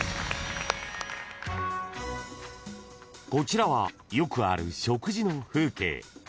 ［こちらはよくある食事の風景］